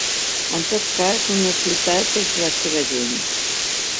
En tot cas, una ciutat és la seva gent.